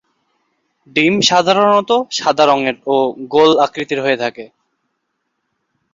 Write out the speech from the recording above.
ডিম সাধারনত সাদা রঙের ও গোল আকৃতির হয়ে থাকে।